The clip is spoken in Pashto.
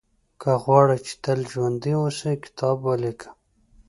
• که غواړې چې تل ژوندی اوسې، کتاب ولیکه.